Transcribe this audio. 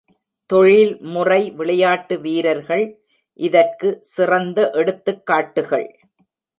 தொழில்முறை விளையாட்டு வீரர்கள் இதற்கு சிறந்த எடுத்துக்காட்டுகள்.